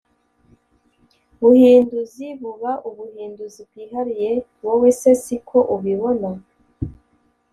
buhinduzi buba ubuhinduzi bwihariye wowe se si ko ubibona